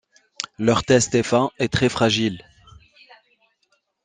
Leur test est fin et très fragile.